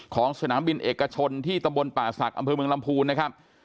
สนามบินเอกชนที่ตำบลป่าศักดิ์อำเภอเมืองลำพูนนะครับ